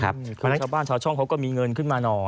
บ้านชาวช่องเขาก็มีเงินขึ้นมาหน่อย